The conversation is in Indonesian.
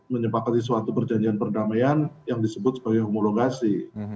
menyepakati suatu perjanjian perdamaian yang disebut sebagai homologasi